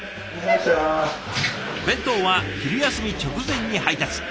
弁当は昼休み直前に配達。